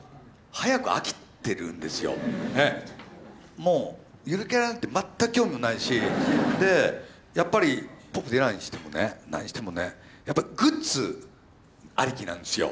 もうゆるキャラなんて全く興味もないしでやっぱりボブ・ディランにしてもね何にしてもねやっぱりグッズありきなんですよ。